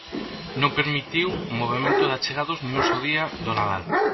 Non permitiu movemento de achegados nin un só día do Nadal.